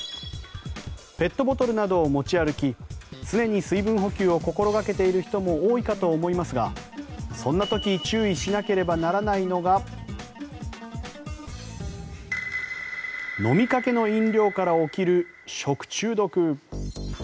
ペットボトルなどを持ち歩き常に水分補給などを心掛けている方も多いかと思いますが、そんな時注意しなければならないのが飲みかけの飲料から起きる食中毒。